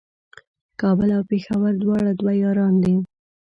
کابل او پېښور دواړه دوه یاران دي